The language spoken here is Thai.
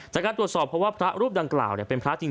จากการตรวจสอบเพราะว่าพระรูปดังกล่าวเนี่ย